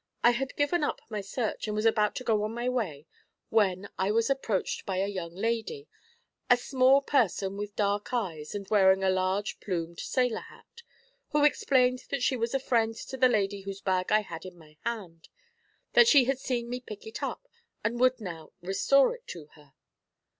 I had given up my search, and was about to go on my way, when I was approached by a young lady, a small person with dark eyes and wearing a large plumed sailor hat, who explained that she was a friend to the lady whose bag I had in my hand, that she had seen me pick it up, and would now restore it to her.'